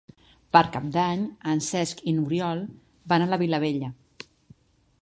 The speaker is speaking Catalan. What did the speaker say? Per Cap d'Any en Cesc i n'Oriol van a la Vilavella.